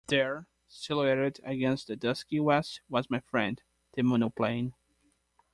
There, silhouetted against the dusky West was my friend, the monoplane.